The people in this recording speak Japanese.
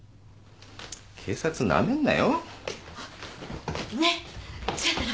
警察なめんなよ。